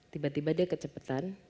tiba tiba dia kecepetan